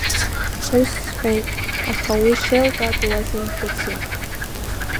Ус сҳәеит, аха уи шеилкаатәу уазымхәыцит!